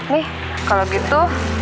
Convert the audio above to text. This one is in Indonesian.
nih kalau gitu